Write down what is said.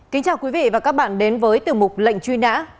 kính chào quý vị và các bạn đến với tiểu mục lệnh truy nã